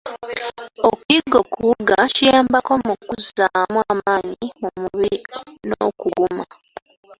Okuyiga okuwuga kiyambako mu kuzzaamu amaanyi mu mubiri n'okuguma.